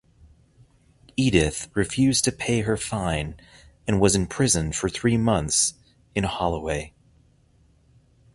Edith refused to pay her fine and was imprisoned for three months in Holloway.